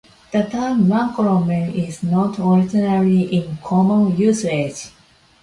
The term Munkholmen is not originally in common usage.